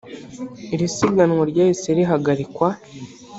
iri siganwa ryahise rihagarikwa